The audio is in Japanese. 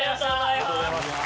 ありがとうございます。